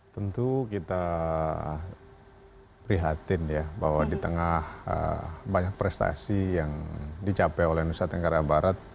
tentu kita prihatin ya bahwa di tengah banyak prestasi yang dicapai oleh nusa tenggara barat